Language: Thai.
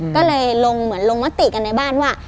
ก็เลยลงเหมือนลงมติกันในบ้านว่า